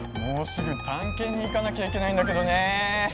もうすぐたんけんにいかなきゃいけないんだけどね。